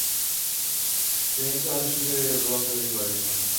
তিনি চার studio album তৈরি করেছেন।